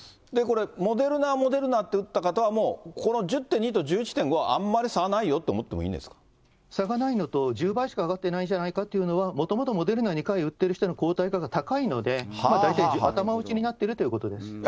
これ、モデルナ、モデルナって打った方はもう、この１０．２と１１．５はあんまり差がないよと思ってもいいんで差がないのと、１０倍しか上がっていないじゃないかというのは、もともとモデルナを打っている方の抗体価が高いので、大体頭打ちになってるということです。